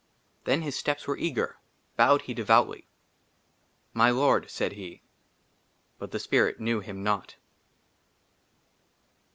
XHEN HIS STEPS WERE EAGER ; BOWED HE DEVOUTLY. " MY LORD," SAID HE. BUT THE SPIRIT KNEW HIM NOT.